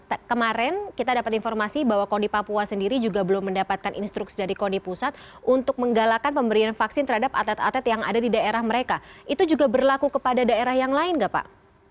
jadi kemarin kita dapat informasi bahwa kondi papua sendiri juga belum mendapatkan instruksi dari kondi pusat untuk menggalakan pemberian vaksin terhadap atlet atlet yang ada di daerah mereka itu juga berlaku kepada daerah yang lain nggak pak